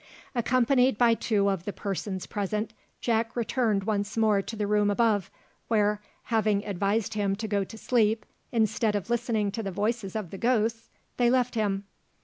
Accompanied by two of the persons present, Jack returned once more to the room above, where, having advised him to go to sleep instead of listening to the voices of the ghosts, they left him.